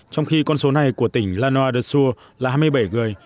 trong khi con số này của tỉnh lanoa de sur là hai mươi bảy người